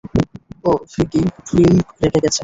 ও Vicky bill রেখে গেছে।